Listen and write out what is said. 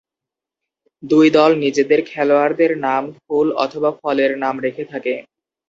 দুই দল নিজেদের খেলোয়াড়দের নাম ফুল অথবা ফলের নামে রেখে থাকে।